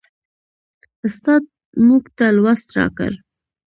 استاد موږ ته لوست راکړ.